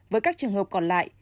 với các trường hợp còn lại